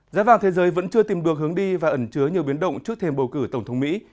giá vàng thế giới vẫn chưa tìm được hướng đi và ẩn chứa nhiều biến động trước thêm bầu cử tổng thống mỹ